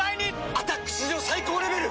「アタック」史上最高レベル！